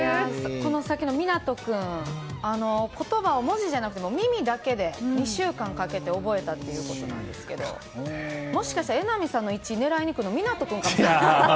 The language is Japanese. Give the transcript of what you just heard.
さっきのみなとくん言葉を文字じゃなく耳だけで２週間かけて覚えたということなんですけどもしかしたら、榎並さんの位置を狙いに来るのはみなと君かもしれない。